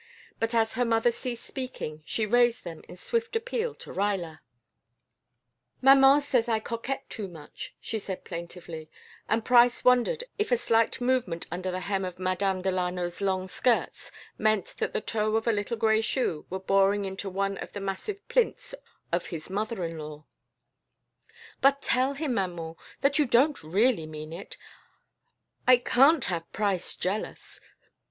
But as her mother ceased speaking she raised them in swift appeal to Ruyler. "Maman says I coquette too much," she said plaintively, and Price wondered if a slight movement under the hem of Madame Delano's long skirts meant that the toe of a little gray shoe were boring into one of the massive plinths of his mother in law. "But tell him, maman, that you don't really mean it. I can't have Price jealous.